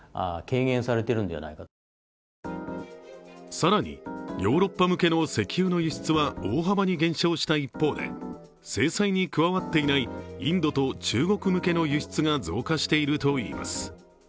更に、ヨーロッパ向けの石油の輸出は大幅に減少した一方で、制裁に加わっていないインドと中国向けの輸出が増加しているといいます。